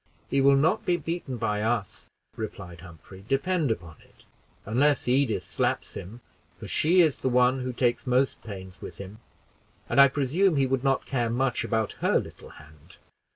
"He will not be beaten by us," replied Humphrey, "depend upon it, unless Edith slaps him, for she is the one who takes most pains with him, and I presume he would not care much about her little hand."